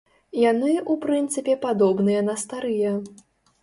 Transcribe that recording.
Яны, у прынцыпе, падобныя на старыя.